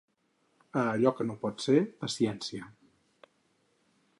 A allò que no pot ser, paciència.